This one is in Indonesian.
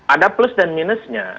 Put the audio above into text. ada plus dan minusnya